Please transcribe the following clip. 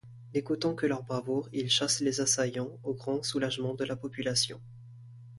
N'écoutant que leur bravoure, ils chassent les assaillants au grand soulagement de la population.